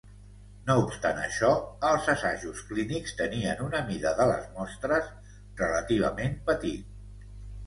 No obstant això, els assajos clínics tenien una mida de les mostres relativament petit.